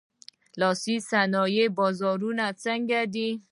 د لاسي صنایعو بازار څنګه دی؟